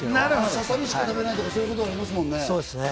ささみしか食べないとか、そういうのありますもんね。